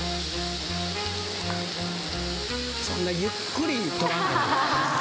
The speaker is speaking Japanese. そんなゆっくり撮らんでも。